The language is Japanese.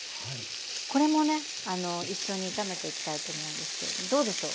これもね一緒に炒めていきたいと思うんですけどどうでしょう？